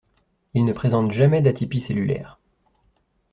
Il ne présente jamais d'atypie cellulaire.